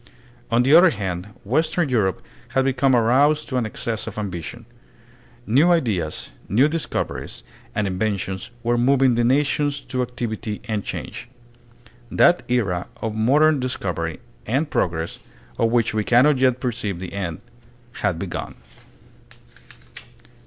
On the other hand western Europe had become aroused to an excess of ambition. New ideas, new discoveries and inventions were moving the nations to activity and change. That era of modern discovery and progress, of which we cannot yet perceive the end, had begun.